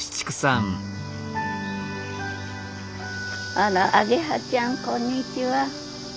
あらアゲハちゃんこんにちは。